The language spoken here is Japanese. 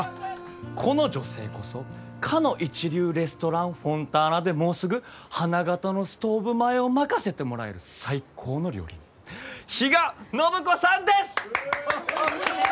この女性こそかの一流レストランフォンターナでもうすぐ花形のストーブ前を任せてもらえる最高の料理人比嘉暢子さんです！